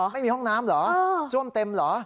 ไม่มีห้องน้ำเหรอซ่วมเต็มเหรอ